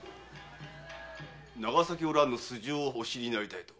長崎おらんの素性をお知りになりたいと？